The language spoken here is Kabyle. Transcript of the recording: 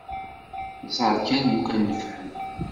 Ẓer kan lukan nefhem.